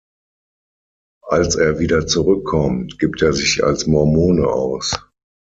Als er wieder zurückkommt, gibt er sich als Mormone aus.